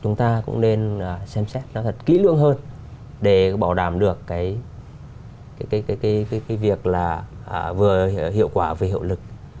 chúng ta cũng nên xem xét nó thật kỹ lưỡng hơn để bảo đảm được cái việc là vừa hiệu quả về hiệu lực